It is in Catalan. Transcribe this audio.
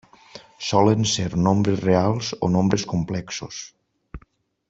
Solen ser nombres reals o nombres complexos.